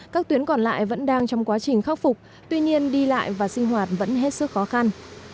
các tuyến còn lại vẫn đang trong quá trình khắc phục tuy nhiên đi lại và sinh hoạt vẫn hết sức khó khăn